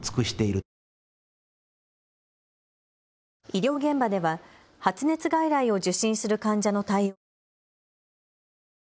医療現場では発熱外来を受診する患者の。